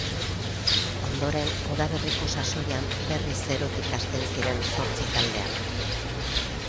Ondoren udaberriko sasoian berriz zerotik hasten ziren zortzi taldeak.